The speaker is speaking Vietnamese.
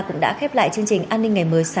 cũng đã khép lại chương trình an ninh ngày mới sáng